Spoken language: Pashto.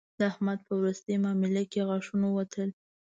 د احمد په روستۍ مامله کې غاښونه ووتل